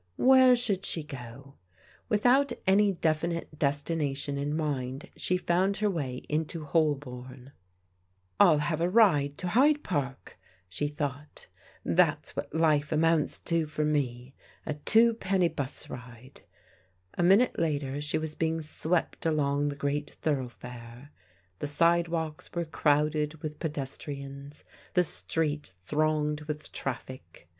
Where should she go ? Without any definite des 224 PRODIGAL DAUGHTERS tination in mind she f otind her way into Holbom, " Til have a ride to Hyde Park," she thought. " That's what life amounts to for me, a twopenny 'bus ride." A minute later she was being swept along the great thoroughfare. The sidewalks were crowded with pedestrians, the street thronged with traffic.